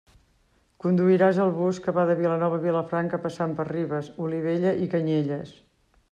Conduiràs el bus que va de Vilanova a Vilafranca passant per Ribes, Olivella i Canyelles.